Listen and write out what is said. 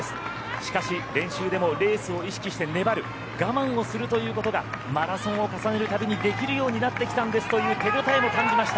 しかし、練習でもレースを意識して粘る我慢をするということがマラソンを重ねるたびにできるようになってきたんですという手ごたえも感じました。